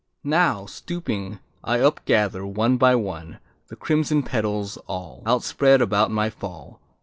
Now, stooping, I upgather, one by one, The crimson petals, all Outspread about my fall.